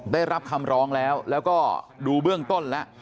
ได้รับคำร้องแล้วแล้วก็ดูเบื้องต้นแล้ว